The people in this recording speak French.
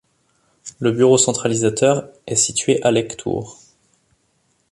Le bureau centralisateur est situé à Lectoure.